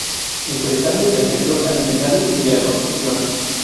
Empresario del sector alimentario y de la construcción.